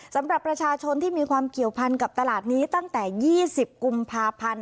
สำหรับประชาชนที่มีความเกี่ยวพันกับตลาดนี้ตั้งแต่๒๐กุมภาพันธ์